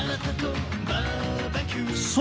そう。